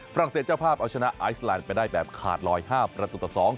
เศสเจ้าภาพเอาชนะไอซแลนด์ไปได้แบบขาดลอย๕ประตูต่อ๒